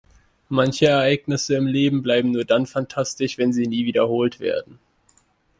Manche Ereignisse im Leben bleiben nur dann fantastisch, wenn sie nie wiederholt werden.